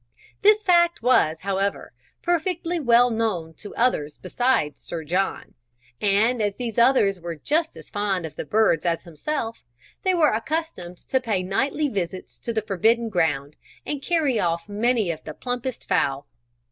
This fact was, however, perfectly well known to others besides Sir John; and as these others were just as fond of the birds as himself, they were accustomed to pay nightly visits to the forbidden ground, and carry off many of the plumpest fowl.